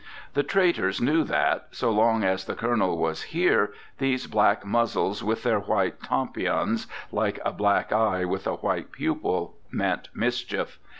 The traitors knew, that, so long as the Colonel was here, these black muzzles with their white tompions, like a black eye with a white pupil, meant mischief.